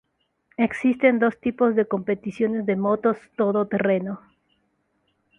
Existen dos tipos de competiciones de motos todoterreno.